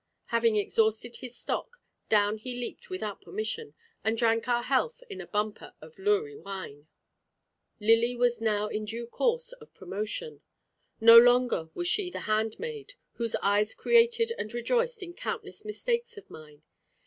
Having exhausted his stock, down he leaped without permission, and drank our health in a bumper of Luri wine. Lily was now in due course of promotion. No longer was she the handmaid, whose eyes created and rejoiced in countless mistakes of mine.